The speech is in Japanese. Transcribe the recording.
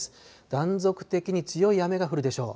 断続的に強い雨が降るでしょう。